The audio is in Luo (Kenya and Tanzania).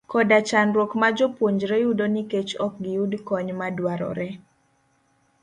koda chandruok ma jopuonjre yudo nikech ok giyud kony madwarore.